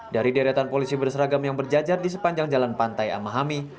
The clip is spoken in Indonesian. dari deretan polisi berseragam yang berjajar di sepanjang jalan pantai amahami